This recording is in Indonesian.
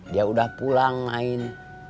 dia udah pulang main